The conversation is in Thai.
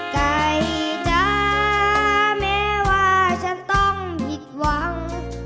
ไก่จ๊ะแม้ว่าฉันต้องผิดหวัง